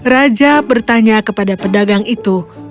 raja bertanya kepada pedagang itu